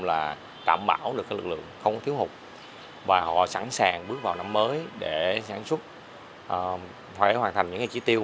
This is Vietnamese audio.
là cảm bảo được các lực lượng không thiếu hụt và họ sẵn sàng bước vào năm mới để hoàn thành những chi tiêu